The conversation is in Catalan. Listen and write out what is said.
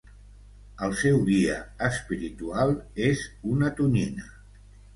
El seu guia espiritual és una tonyina.